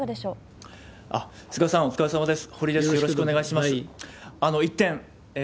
菅さん、お疲れさまです。